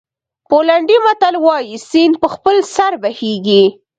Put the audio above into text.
پولنډي متل وایي سیند په خپل سر بهېږي.